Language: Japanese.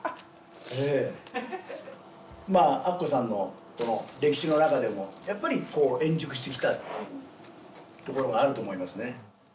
えぇまぁアッコさんのこの歴史の中でもやっぱりこう円熟してきたっていうところがあると思いますね